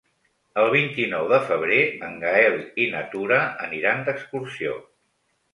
El vint-i-nou de febrer en Gaël i na Tura aniran d'excursió.